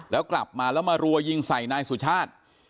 แล้วกลับมาแล้วมารัวยิงใส่นายสุชาติ